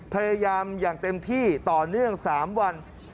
พยายามอย่างเต็มที่ต่อเนื่อง๓วัน